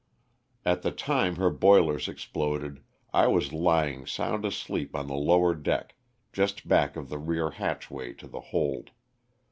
At the time her boilers exploded I was lying sound asleep on the lower deck, just back of the rear hatchway to the hold.